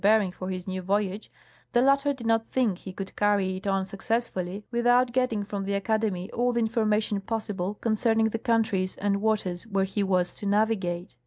Bering for his new voyage, the latter did not think he could carry it on success fully without getting from the Academy all the information possible con cerning the countries and waters where he was to navigate.